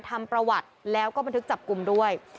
ทำประวัติแล้วก็บันทึกจับกลุ่มด้วย